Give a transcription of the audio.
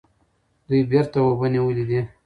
دوی بیرته اوبه نیولې دي.